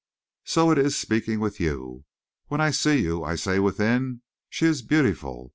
So it is speaking with you. When I see you I say within: 'She is beautiful!'